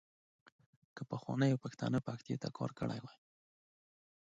که پخوانیو پښتنو پښتو ته کار کړی وای .